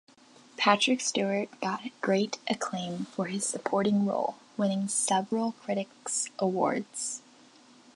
Patrick Stewart got great acclaim for his supporting role, winning several critics awards.